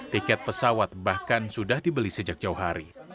tiket pesawat bahkan sudah dibeli sejak jauh hari